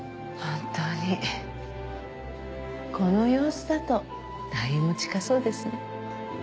本当にこの様子だと退院も近そうですね。